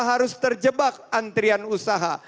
harus terjebak antrian usaha